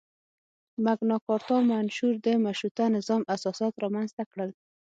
مګناکارتا منشور د مشروطه نظام اساسات رامنځته کړل.